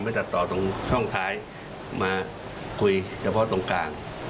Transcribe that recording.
ตัดต่อตรงช่องท้ายมาคุยเฉพาะตรงกลาง